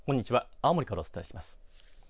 青森からお伝えします。